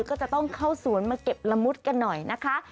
ก็จะต้องเข้าสวนมาเก็บละมุดกันหน่อยนะคะ